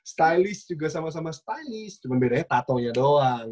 stylist juga sama sama stylist cuman bedanya tato nya doang